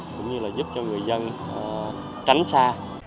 cũng như là giúp cho người dân tránh xa